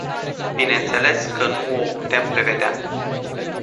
Bineînțeles că nu o putem prevedea.